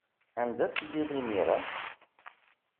Anda telliḍ imir-a?